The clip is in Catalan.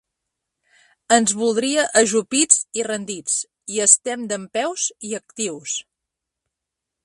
“Ens voldria ajupits i rendits i estem dempeus i actius”.